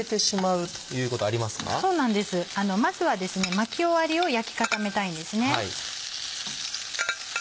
巻き終わりを焼き固めたいんですね。